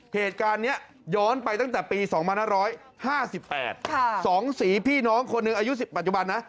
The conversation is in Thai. เหตุการณ์นี้ย้อนไปตั้งแต่ปี๒๕๕๘๒สีพี่น้องคนหนึ่งอายุ๑๐ปัจจุบันนะ